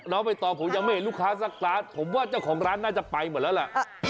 เล่าไปต่อผมยังไม่เห็นลูกค้าสักครั้งผมว่าเจ้าของร้านน่าจะไปหมดแล้วล่ะ